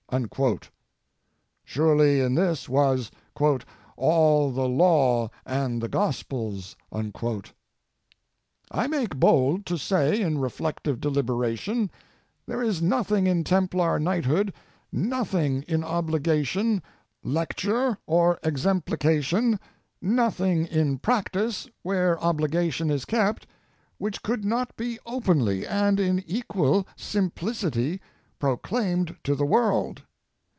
Surely in this was ''all the law and the gospels." I make bold to say, in reflective deliberation, there is nothing in Templar Knighthood, nothing in obhgation, lecture or exemplication, nothing in practice where obliga tion is kept, which could not be openly, and in equal sim plicity, proclamed to the world.